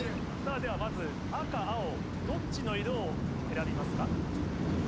ではまず赤青どっちの色を選びますか？